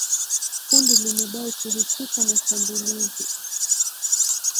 Kundi limedai kuhusika na shambulizi